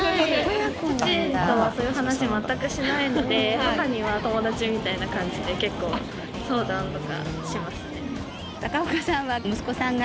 父とはそういう話全くしないので母には友達みたいな感じで結構相談とかしますね。